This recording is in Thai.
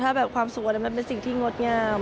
ถ้าแบบความสุขอะไรมันเป็นสิ่งที่งดงาม